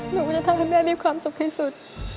หนูก็จะทำให้แม่มีความสุขที่สุด